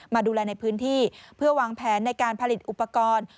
มาดูแลในพื้นที่เพื่อวางแผนในการผลิตอุปกรณ์